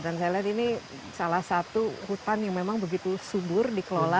dan saya lihat ini salah satu hutan yang memang begitu subur dikelola